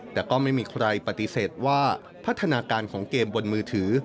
แต่ก็ไม่มีใครปฏิเสธว่าพัฒนาการของเกมบนมือถือ